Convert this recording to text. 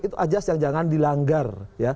itu ajas yang jangan dilanggar